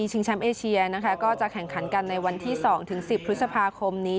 แชมป์เอเชียนะคะก็จะแข่งขันกันในวันที่๒๑๐พฤษภาคมนี้